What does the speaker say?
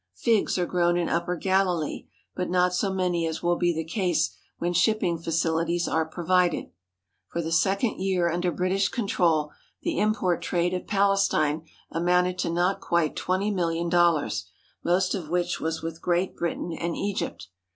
Figs are grown in upper Galilee, but not so many as will be the case when shipping facilities are provided. For the second year under British control, the import trade of Palestine amounted to not quite twenty million dollars, most of which was with Great Britain and Egypt.